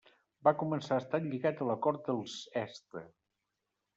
Va començar estant lligat a la cort dels Este.